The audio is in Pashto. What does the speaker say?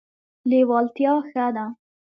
لیوالتیا ښه ده.